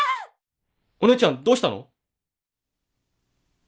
お姉ちゃんどうしたの？